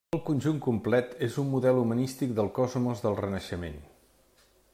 El conjunt complet és un model humanístic del Cosmos del Renaixement.